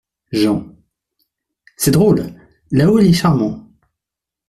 Jean. — C’est drôle ! là-haut il est charmant.